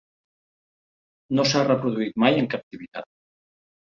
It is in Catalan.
No s'ha reproduït mai en captivitat.